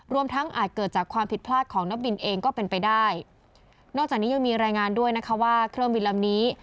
รวมทั้งอาจเกิดจากความผิดพลาดของนักบินเองก็เป็นไปได้นอกจากนี้ยังมีรายงานด้วยนะคะว่าเครื่องบินลำนี้